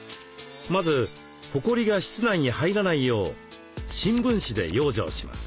まずほこりが室内に入らないよう新聞紙で養生します。